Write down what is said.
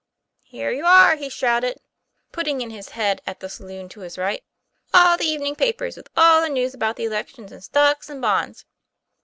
'Here you are," he shouted, putting in his head at the saloon to his right; "all the evening papers with all the news about the elections and stocks and bonds."